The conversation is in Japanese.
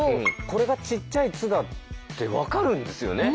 これがちっちゃい「つ」だって分かるんですよね。